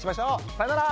さよなら。